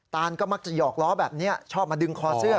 ตานก็มักจะหยอกล้อแบบนี้ชอบมาดึงคอเสื้อ